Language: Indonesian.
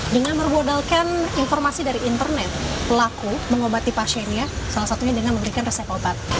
dengan bermodalkan informasi dari internet pelaku mengobati pasiennya salah satunya dengan memberikan resep obat